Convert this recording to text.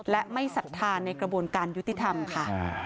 และไม่ศรัทธาในกระบวนการยุติธรรมค่ะ